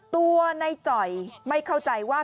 ตัวในจ่อยไม่เข้าใจว่า